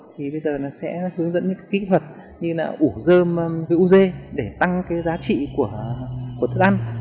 thì bây giờ sẽ hướng dẫn những kỹ thuật như là ủ dơm với ud để tăng giá trị của thức ăn